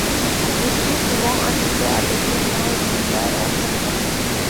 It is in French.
Il fut souvent invité à des tournois jubilaires importants.